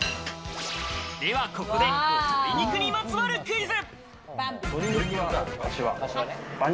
では、ここで鶏肉にまつわるクイズ。